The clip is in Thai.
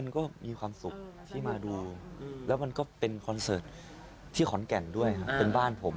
ก็มีความสุขที่มาดูแล้วมันก็เป็นคอนเสิร์ตที่ขอนแก่นด้วยครับเป็นบ้านผม